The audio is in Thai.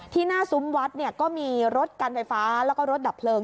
หน้าซุ้มวัดเนี่ยก็มีรถการไฟฟ้าแล้วก็รถดับเพลิง